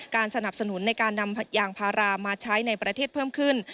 สนับสนุนในการนำยางพารามาใช้ในประเทศเพิ่มขึ้น